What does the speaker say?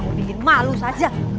kamu bikin malu saja